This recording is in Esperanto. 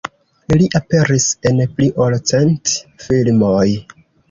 Li aperis en pli ol cent filmoj.